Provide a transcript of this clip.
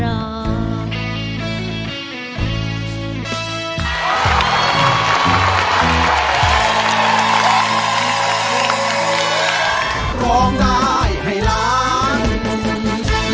รักคนเดียวน้องจริงต้องรอ